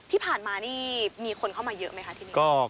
ที่ผ่านมานี่มีคนเข้ามาเยอะไหมคะที่นี่